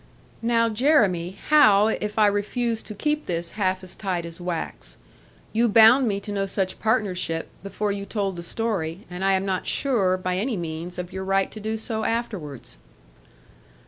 'Now, Jeremy, how if I refuse to keep this half as tight as wax. You bound me to no such partnership, before you told the story; and I am not sure, by any means, of your right to do so afterwards.'